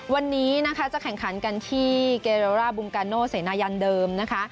วันนี้จะแข่งขันกันที่เกรเลอร่าบุงกาโน่เสนายันเดิม